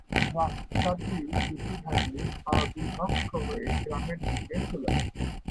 রাস্তাটি দুটি ভাগে অবিভক্ত হয়ে গ্রামের দিকে চলে গেছে।